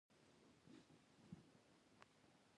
پر څیره یې ږدم